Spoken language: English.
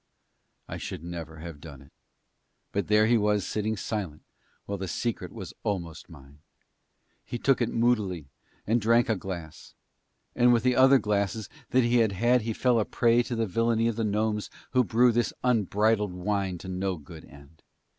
I should never have done it; but there he was sitting silent while the secret was almost mine. He took it moodily and drank a glass; and with the other glasses that he had had he fell a prey to the villainy of the gnomes who brew this unbridled wine to no good end.